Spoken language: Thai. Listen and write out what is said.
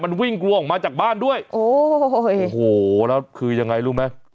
มันวิ่งกลัวออกมาจากบ้านด้วยโอ้โหแล้วคือยังไงรู้ไหม